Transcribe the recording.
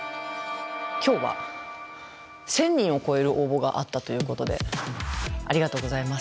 今日は１，０００人を超える応募があったということでありがとうございます。